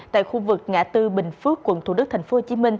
tại khu vực ngã tư bình phước quận thủ đức tp hcm